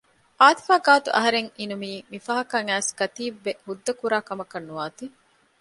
އާތިފާ ގާތު އަހަރެން އިނުމީ މި ފަހަކަށް އައިސް ކަތީބުބެ ހުއްދަކުރާ ކަމަކަށް ނުވާތީ